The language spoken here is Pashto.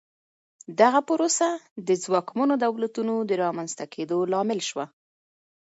دغه پروسه د ځواکمنو دولتونو د رامنځته کېدو لامل شوه.